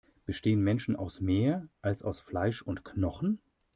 Bestehen Menschen aus mehr, als aus Fleisch und Knochen?